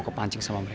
udah puji kan